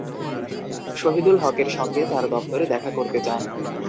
শহীদুল হকের সঙ্গে তাঁর দপ্তরে দেখা করতে যান।